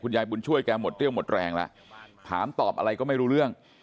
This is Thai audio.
ยายบุญช่วยแกหมดเรี่ยวหมดแรงแล้วถามตอบอะไรก็ไม่รู้เรื่อง